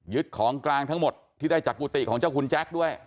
ของกลางทั้งหมดที่ได้จากกุฏิของเจ้าคุณแจ๊คด้วย